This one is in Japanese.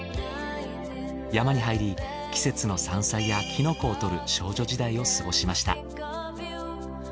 山に入り季節の山菜やキノコを採る少女時代を過ごしました。